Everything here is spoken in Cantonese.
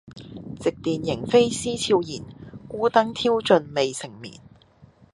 夕殿螢飛思悄然，孤燈挑盡未成眠。